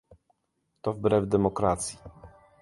To wbrew demokracji